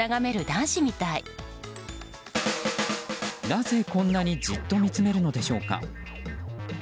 なぜ、こんなにじっと見つめるのでしょうか。